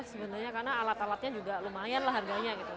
sebenarnya karena alat alatnya juga lumayan lah harganya gitu